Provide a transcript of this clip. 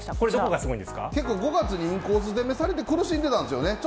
５月にインコース攻めされて苦しんでたんですよね。